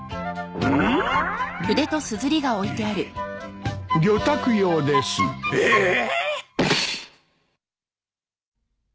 うん？魚拓用です。えっ！？